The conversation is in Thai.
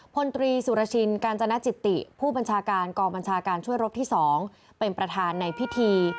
พลตรีสุรชินกาญจนจิติผู้บัญชาการกองบัญชาการช่วยรบที่๒เป็นประธานในพิธี